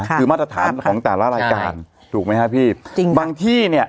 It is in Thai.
คือมาตรฐานของแต่ละรายการถูกไหมฮะพี่จริงบางที่เนี่ย